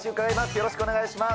よろしくお願いします。